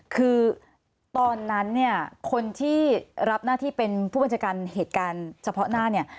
คือตอนนั้นเนี่ยคนที่รับหน้าที่เป็นผู้บัญชาการเหตุการณ์เฉพาะหน้าเนี่ย